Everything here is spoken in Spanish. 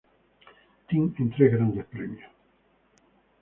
Team en tres grandes premios.